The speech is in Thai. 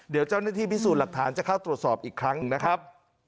เดี๋ยวเจ้าหน้าที่พิสูจน์หลักฐานจะเข้าตรวจสอบอีกครั้งนะครับ